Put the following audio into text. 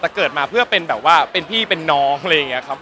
แต่เกิดมาเพื่อเป็นแบบว่าเป็นพี่เป็นน้องอะไรอย่างนี้ครับ